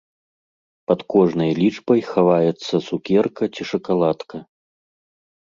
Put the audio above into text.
Пад кожнай лічбай хаваецца цукерка ці шакаладка.